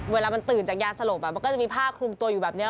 เวลามันตื่นจากยาสลบมันก็จะมีผ้าคลุมตัวอยู่แบบนี้